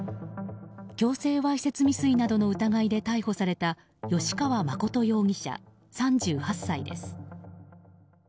強制わいせつ未遂などの疑いで逮捕された吉川誠容疑者、３８歳です。